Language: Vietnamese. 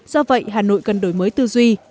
do vậy hà nội cần đổi mới tư duy